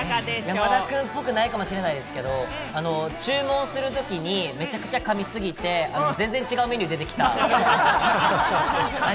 山田くんっぽくないかもしれないですけれども、注文するときにめちゃくちゃ噛みすぎて全然違うメニュー出てきた。